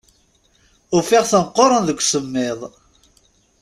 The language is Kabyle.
Ufiɣ-ten qquren deg usemmiḍ.